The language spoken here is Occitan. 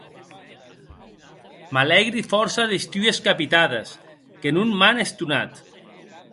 M'alègri fòrça des tues capitades, que non m'an estonat.